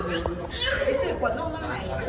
กลับบ้านสุดท้าย